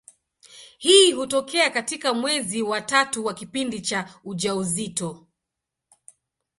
Hii hutokea katika mwezi wa tatu wa kipindi cha ujauzito.